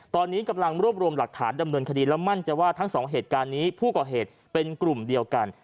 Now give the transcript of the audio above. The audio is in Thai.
ตอนนี้กำลังรวบรวมหลักฐานดำเนินคดีและมั่นใจว่าทั้งสองเหตุการณ์นี้ผู้ก่อเหตุเป็นกลุ่มเดียวกัน